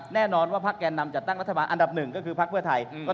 แน่นอนว่าพักแกนำจัดตั้งรัฐบาลอันดับหนึ่งก็คือพักเพื่อไทยก็ต้องโหวตเลือก